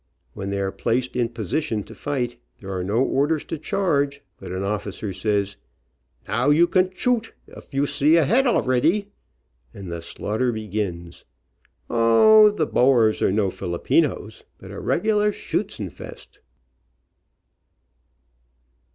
When they are placed in posi tion to fight, there are no orders to charge, but an officer says, "Now, you can choot, of you see a head alreddy," and the slaughter begins. O, the Boers are no Filipinos, but a regular schuetzenfest.